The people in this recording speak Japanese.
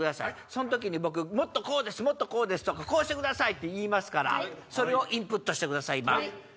その時にもっとこうですとかこうしてくださいって言いますからそれをインプットしてください。